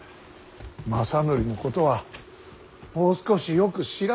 政範のことはもう少しよく調べてから。